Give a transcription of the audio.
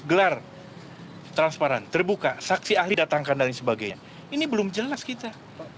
gelar transparan terbuka saksi ahli datangkan dan sebagainya ini belum jelas kita